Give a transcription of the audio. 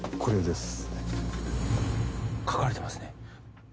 「書かれてますね」